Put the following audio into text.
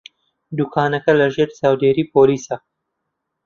دوکانەکە لەژێر چاودێریی پۆلیسە.